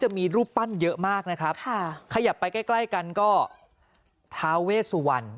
จะมีรูปปั้นเยอะมากนะครับขยับไปใกล้ใกล้กันก็ท้าเวสวรรณ